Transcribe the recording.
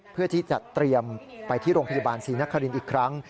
เพื่อที่จะเตรียมไปที่โรงพยาบาลศรีนครินอีกครั้ง